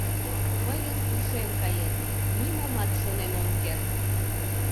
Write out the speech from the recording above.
Мыйын ушем каен, нимомат шонен ом керт.